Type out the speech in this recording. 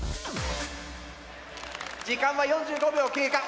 時間は４５秒経過。